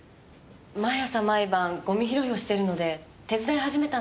毎朝毎晩ゴミ拾いをしてるので手伝い始めたんです。